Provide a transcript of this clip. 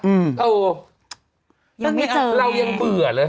เออยังไม่เจอเรายังเบื่อเลย